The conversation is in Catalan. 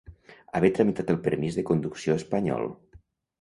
Haver tramitat el permís de conducció espanyol.